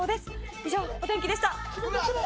以上、お天気でした。